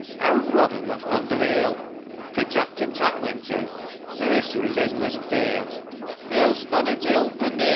Owd Roddle wur fond of ale, Fro' tap to tap went he ; An' this wur his endless tale, " Who'll ston a gill for me?"